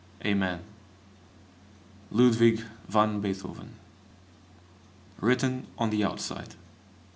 Amen! LUDWIG VAN BEETHOVEN. (_Written on the Outside.